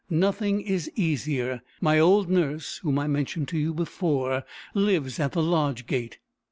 "Nothing is easier. My old nurse, whom I mentioned to you before, lives at the lodge gate."